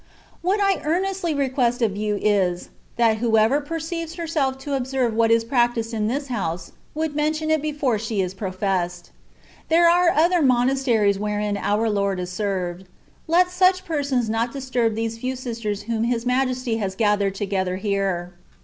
What I earnestly request of you is, that who ever perceives herself to observe what is practised in this house would mention it before she is ^^ professed." There are other monasteries wherein our Lord is served : let such persons not disturb these few sisters whom His Majesty has gathered together here.